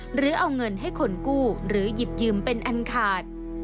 หรือเอาเงินให้คนกู้หรือหยิบยืมเป็นอันขาด